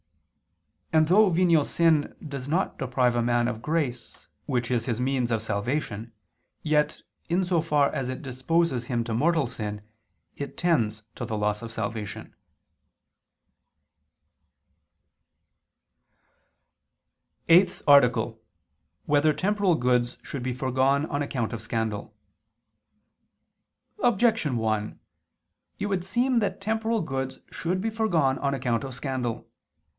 And though venial sin does not deprive a man of grace which is his means of salvation, yet, in so far as it disposes him to mortal sin, it tends to the loss of salvation. _______________________ EIGHTH ARTICLE [II II, Q. 43, Art. 8] Whether Temporal Goods Should Be Foregone on Account of Scandal? Objection 1: It would seem that temporal goods should be foregone on account of scandal.